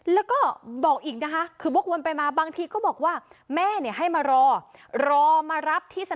แล้วบอกอีกบทวนไปมาบางทีก็บอกว่าแม่ให้มารอ